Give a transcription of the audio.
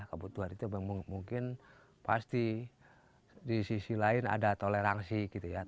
kebutuhan itu mungkin pasti di sisi lain ada toleransi gitu ya